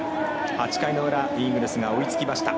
８回の裏イーグルスが追いつきました。